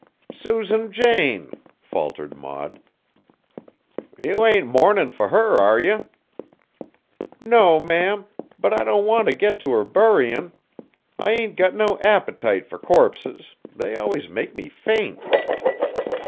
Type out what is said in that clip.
"Susan Jane!" faltered Maud. "You ain't mournin' fur her, are you?" "No, ma'am. But I don't want t' go t' her buryin'. I ain't got no appetite fur corpses, they always make me faint."